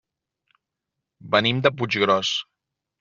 Venim de Puiggròs.